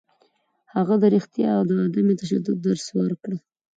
هغه د رښتیا او عدم تشدد درس ورکړ.